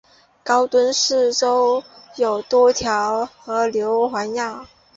高墩四周有多条河流环绕。